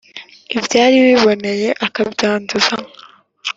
’ibyari biboneye akabyanduza